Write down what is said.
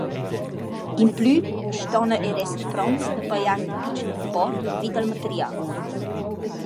Implü stona eir esser pronts da pajar ün pitschen import vi dal material.